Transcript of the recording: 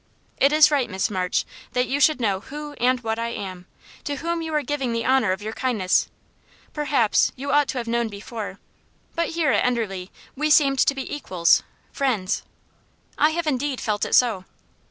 "It is right, Miss March, that you should know who and what I am, to whom you are giving the honour of your kindness. Perhaps you ought to have known before; but here at Enderley we seemed to be equals friends." "I have indeed felt it so."